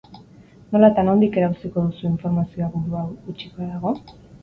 Nola eta nondik erauziko duzu informazioa burua hutsik badago?